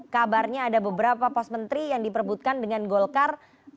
kabarnya ada beberapa pos menteri yang diperbutkan dengan golkar